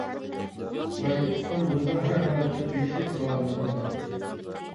بەلكى تۇتقان روزا ھەر ھالەتتە تېگىشلىك ساۋابىنى تاپىدۇ.